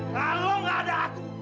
kalau gak ada aku